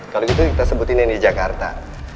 kalau gitu kita sebutin yang di jakarta